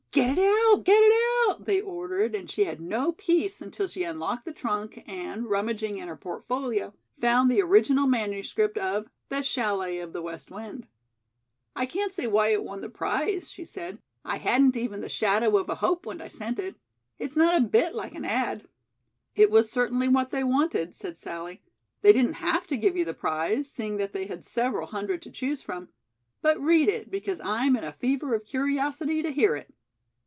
"Get it out, get it out," they ordered, and she had no peace until she unlocked the trunk and, rummaging in her portfolio, found the original manuscript of "The Chalet of the West Wind." "I can't see why it won the prize," she said. "I hadn't even the shadow of a hope when I sent it. It's not a bit like an ad." "It was certainly what they wanted," said Sallie. "They didn't have to give you the prize, seeing that they had several hundred to choose from. But read it, because I'm in a fever of curiosity to hear it."